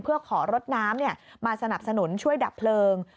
เพื่อขอรถน้ำมาสนับสนุนช่วยดับเพลิง